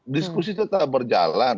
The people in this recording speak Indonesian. diskusinya tidak berjalan